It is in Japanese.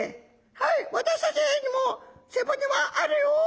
「はい私たちエイにも背骨はあるよ」。